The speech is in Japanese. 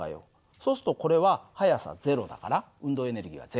そうするとこれは速さ０だから運動エネルギーは０。